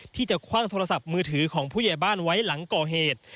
คว่างโทรศัพท์มือถือของผู้ใหญ่บ้านไว้หลังก่อเหตุ